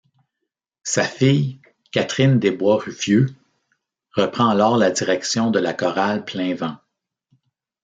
Sa fille, Catherine Débois-Ruffieux, reprend alors la direction de la chorale Plein Vent.